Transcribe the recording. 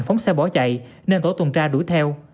phóng xe bỏ chạy nên tổ tuần tra đuổi theo